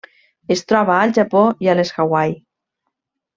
Es troba al Japó i a les Hawaii.